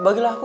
bagi lah aku